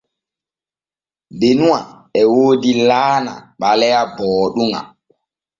Benuwa e woodi laana ɓaleya booɗuŋa.